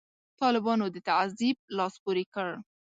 طالبانو د تعذیب لاس پورې کړ.